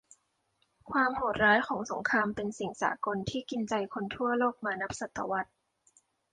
ความโหดร้ายของสงครามเป็นสิ่งสากลที่กินใจคนทั่วโลกมานับศตวรรษ